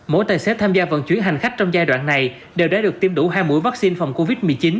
mỗi tài xế tham gia vận chuyển hành khách trong giai đoạn này đều đã được tiêm đủ hai mũi vaccine phòng covid một mươi chín